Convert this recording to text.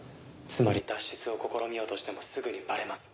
「つまり脱出を試みようとしてもすぐにバレます」